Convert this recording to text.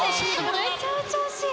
めちゃめちゃ惜しい。